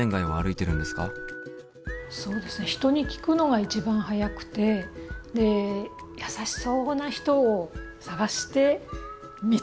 そうですね人に聞くのが一番早くて優しそうな人を探して見つけて聞きます。